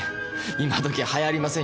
今どきはやりませんよ